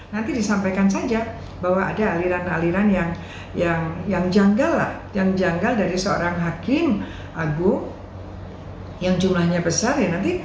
nanti disampaikan saja bahwa ada aliran aliran yang janggal dari seorang hakim agung yang jumlahnya besar